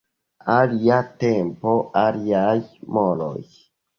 Alia tempo, aliaj moroj.